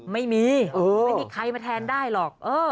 ไม่มีใครมาแทนได้หรอก